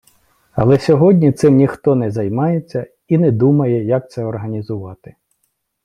Але сьогодні цим ніхто не займається і не думає, як це організувати.